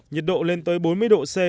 nhiệt độ lên tới bốn mươi độ c